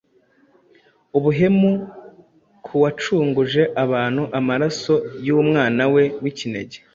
ubuhemu ku wacunguje abantu amaraso y’umwana We w’ikinege.